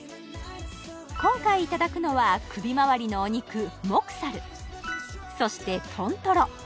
今回いただくのは首まわりのお肉モクサルそして豚トロ